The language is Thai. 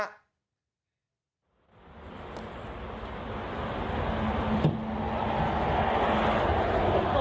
ขนต้นอยู่อยู่ไกลนะครับ